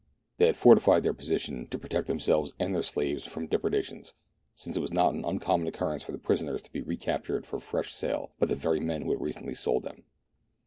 They had fortified their position, to protect themselves and their slaves from depredations, since it was not an uncommon occurrence for the prisoners to bd recaptured for fresh sale by the very men who had recently sold them.